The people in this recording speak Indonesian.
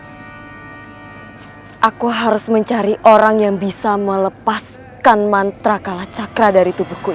lagi aku harus mencari orang yang bisa melepaskan mantra kalacakra dari tubuhku